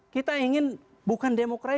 kita ingin bukan demokrasi